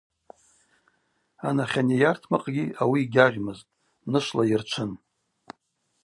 Анахьани йартмакъгьи ауи йгьагъьмызтӏ – нышвла йырчвын.